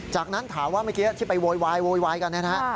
จากนั้นถามว่าเมื่อกี้ที่ไปโวยวายโวยวายกันนะฮะ